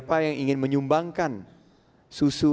pertarungan yang menjadi atas peluang tugas ft adalah